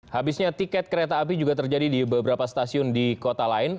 habisnya tiket kereta api juga terjadi di beberapa stasiun di kota lain